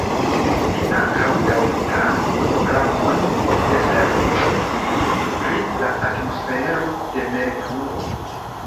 Li ankaŭ daŭrigas programon de serĉo pri la atmosfero de Merkuro.